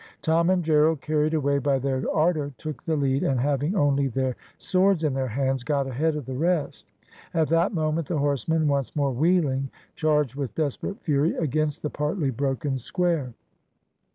Tom and Gerald, carried away by their ardour, took the lead, and having only their swords in their hands, got ahead of the rest. At that moment the horsemen, once more wheeling, charged with desperate fury against the partly broken square.